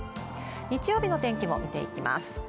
日曜日の天気も見ていきます。